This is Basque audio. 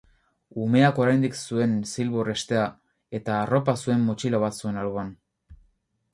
Umeak oraindik zuen zilbor-hestea eta arropa zuen motxila bat zuen alboan.